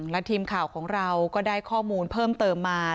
และทีมข่าวของเราก็ได้ข้อมูลเพิ่มเติมมา